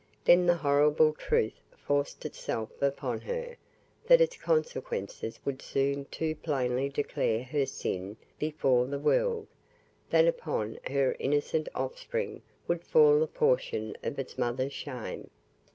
Then the horrible truth forced itself upon her, that its consequences would soon too plainly declare her sin before the world; that upon her innocent offspring would fall a portion of its mother's shame.